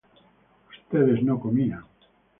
ustedes no comían